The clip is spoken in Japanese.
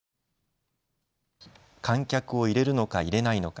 観客を入れるのか入れないのか。